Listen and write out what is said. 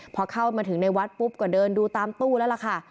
พอเข้ามาถึงในวัดปุ๊บก็เดินดูตามตู้แล้วล่ะค่ะ